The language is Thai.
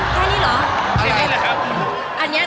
แค่นี้เหรอ